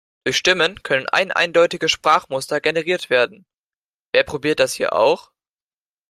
Durch Stimmen können eineindeutige Sprachmuster generiert werden - wer probiert das hier auch?